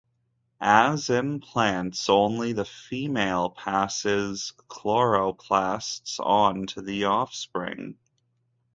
As in plants, only the female passes chloroplasts on to the offspring.